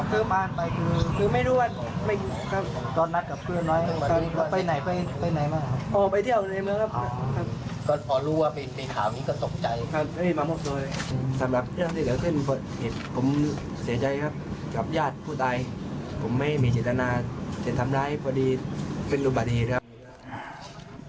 เรื่องที่เกิดขึ้นผมเสียใจครับกับญาติผู้ตายผมไม่มีจิตนาจะทำได้พอดีเป็นลูกบาดีครับ